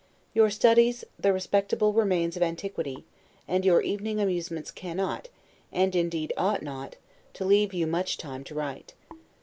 Your studies, the respectable remains of antiquity, and your evening amusements cannot, and indeed ought not, to leave you much time to write.